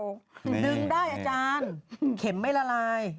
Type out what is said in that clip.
ดึงได้อาจารย์เข็มไม่ละลาย